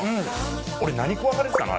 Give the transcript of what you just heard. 俺何食わされてたの？